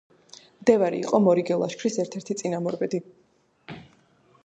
მდევარი იყო მორიგე ლაშქრის ერთ-ერთი წინამორბედი.